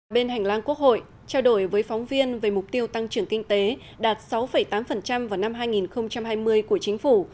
bên hành lang quốc hội trao đổi với phóng viên về mục tiêu tăng trưởng kinh tế đạt sáu tám vào năm hai nghìn hai mươi của chính phủ